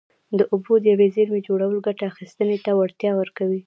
د اوبو د یوې زېرمې جوړول ګټه اخیستنې ته وړتیا ورکوي.